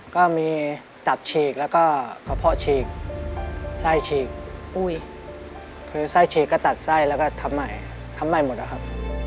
ก็มีตับฉีกแล้วก็กระเพาะฉีกไส้ฉีกคือไส้ฉีกก็ตัดไส้แล้วก็ทำใหม่ทำใหม่หมดนะครับ